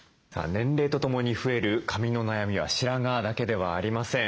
年齢とともに増える髪の悩みは白髪だけではありません。